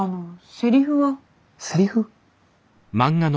セリフ？